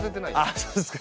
あっそうですか。